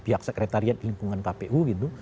pihak sekretariat di lingkungan kpu gitu